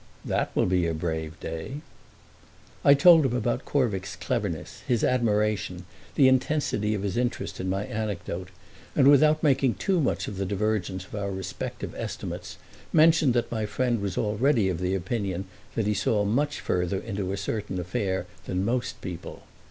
"That will be a brave day." I told him about Corvick's cleverness, his admiration, the intensity of his interest in my anecdote; and without making too much of the divergence of our respective estimates mentioned that my friend was already of opinion that he saw much further into a certain affair than most people.